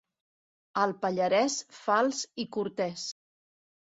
El pallarès, fals i cortès.